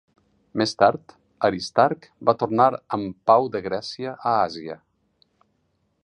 Més tard, Aristarc va tornar amb Pau de Grècia a Àsia.